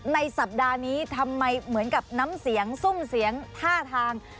ในสัปดาห์นี้ทำไมเหมือนกับน้ำเสียงซุ่มเสียงท่าทาง